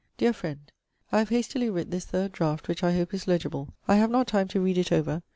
Deare friend! I have hastily writt this third draught, which I hope is legible: I have not time to read it over.